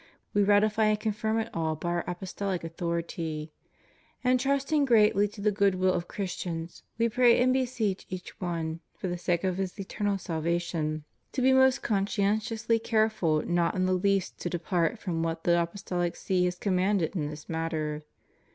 We ratify and confirm it all by Our Apostolic authority: and trusting greatly to the good will of Christians, We pray and beseech each one, for the sake of his eternal salvation, to be most conscien tiously careful not in the least to depart from what the Apostohc See has commanded in this matter.